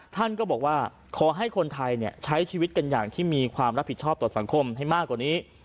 ท่านก็บอกว่าขอให้คนไทยใช้ชีวิตกันอย่างที่มีความรับผิดชอบต่อสังคมให้มากกว่านี้